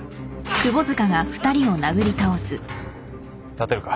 立てるか？